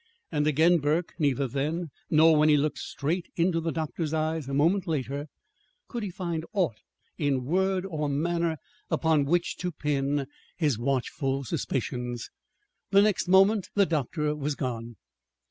And again Burke, neither then, nor when he looked straight into the doctor's eyes a moment later, could find aught in word or manner upon which to pin his watchful suspicions. The next moment the doctor was gone.